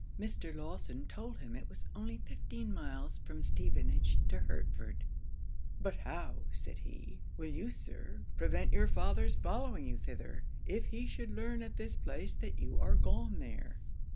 Mr. Lawson told him it was only fifteen miles from Stevenage to Hertford 'But how,' said he, 'will you, Sir, prevent your father's following you thither, if he should learn at this place that you are gone there?'